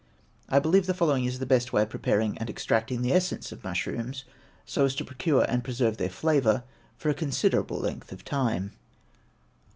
I believe the following is the best way for preparing and extracting the essence of mushrooms, so as to procure and preserve their flavor for a considerable length of time.